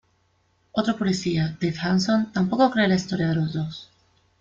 Otro policía, Dave Hanson, tampoco cree la historia de los dos.